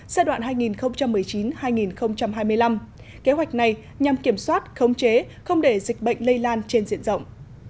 giai đoạn hai nghìn một mươi chín hai nghìn hai mươi năm kế hoạch này nhằm kiểm soát khống chế không để dịch bệnh lây lan trên diện rộng